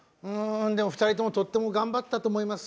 ２人ともとっても頑張ったと思います。